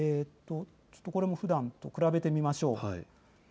これもふだんと比べてみましょう。